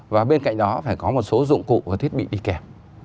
và bên cạnh đó phải có một số dụng cụ và thiết bị đi kèm